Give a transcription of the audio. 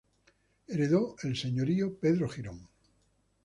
Heredó el señorío Pedro Girón.